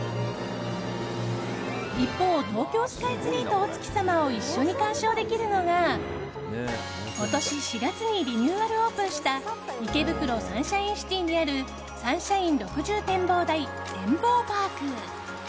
一方、東京スカイツリーとお月様を一緒に観賞できるのが今年４月にリニューアルオープンした池袋・サンシャインシティにあるサンシャイン６０展望台てんぼうパーク。